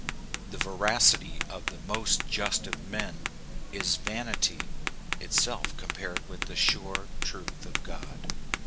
The veracity of the most just of men is vanity itself compared with the sure truth of God.